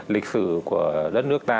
lịch sử của đất nước ta